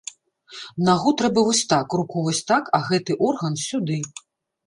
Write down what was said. Нагу трэба вось так, руку вось так, а гэты орган сюды.